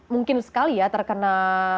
mungkin sekali ya terkena